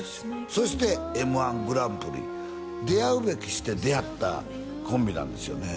そしてＭ−１グランプリ出会うべくして出会ったコンビなんですよね